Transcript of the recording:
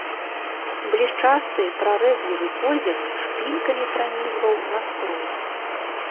Блішчасты прарэзлівы позірк шпількамі пранізваў наскрозь.